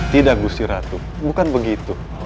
tidak gusi ratu bukan begitu